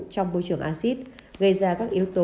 trong bôi trường acid gây ra các yếu tố